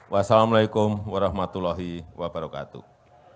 wassalamu'alaikum warahmatullahi wabarakatuh